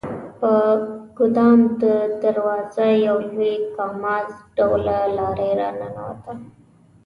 په ګدام د دروازه یو لوی کاماز ډوله لارۍ راننوته.